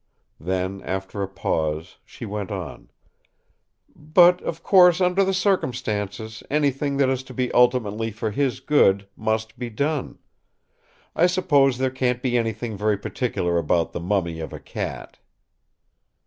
Then after a pause she went on: "But of course under the circumstances anything that is to be ultimately for his good must be done. I suppose there can't be anything very particular about the mummy of a cat."